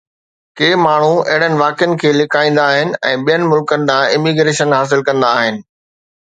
ڪي ماڻهو اهڙن واقعن کي لڪائيندا آهن ۽ ٻين ملڪن ڏانهن اميگريشن حاصل ڪندا آهن